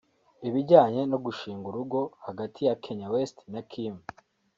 Ibijyanye no gushinga urugo hagati ya Kanye West na Kim